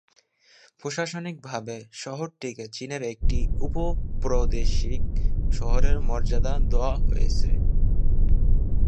প্রশাসনিকভাবে শহরটিকে চীনের একটি উপ-প্রাদেশিক শহরের মর্যাদা দেওয়া হয়েছে।